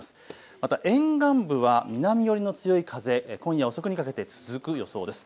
また沿岸部は南寄りの強い風、今夜遅くにかけて続く予想です。